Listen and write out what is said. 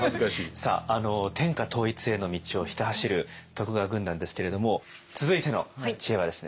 さあ天下統一への道をひた走る徳川軍団ですけれども続いての知恵はですね